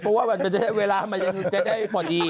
เพราะเวลาจะได้ปลอดี